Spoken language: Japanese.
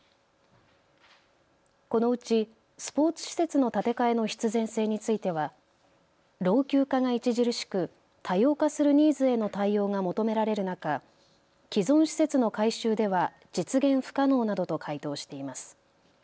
このうちスポーツ施設の建て替えの必然性については老朽化が著しく、多様化するニーズへの対応が求められる中、既存施設の改修では実現不可能などと回答しています。